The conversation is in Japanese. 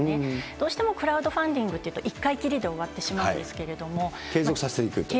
どうしてもクラウドファンディングというと、一回きりで終わって継続させていくという。